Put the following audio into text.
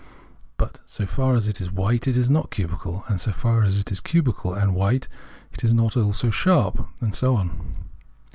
But so far as it is white it is 7wt cubical, and so far as it is cubical and also white, it is not sharp, and so on.